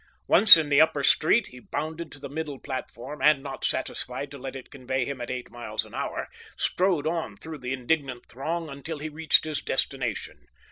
Once in the upper street, he bounded to the middle platform, and, not satisfied to let it convey him at eight miles an hour, strode on through the indignant throng until he reached his destination.